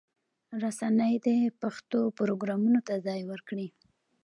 رسنۍ دې پښتو پروګرامونو ته ځای ورکړي.